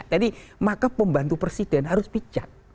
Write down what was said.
jadi maka pembantu presiden harus bijak